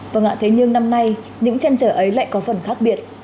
và ngạ thế nhưng năm nay những chăn trở ấy lại có phần khác biệt